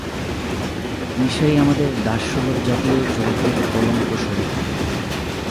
ঈর্ষাই আমাদের দাসসুলভ জাতীয় চরিত্রের কলঙ্কস্বরূপ।